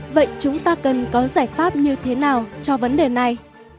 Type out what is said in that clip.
vậy chúng ta cần có giải pháp như thế nào cho vấn đề này